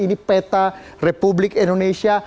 ini peta republik indonesia